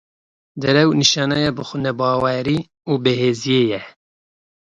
Derew, nîşaneya bixwenebawerî û bêhêziyê ye.